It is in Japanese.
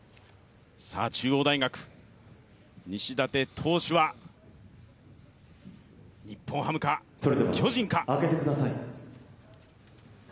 中央大学、西舘投手は日本ハムか巨人か。